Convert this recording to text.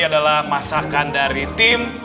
adalah masakan dari tim